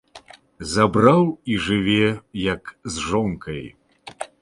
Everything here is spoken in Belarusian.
Забраў і жыве, як з жонкай!